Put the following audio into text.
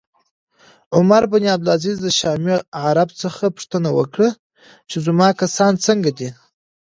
عمر بن عبدالعزیز د شامي عرب څخه پوښتنه وکړه چې زما کسان څنګه دي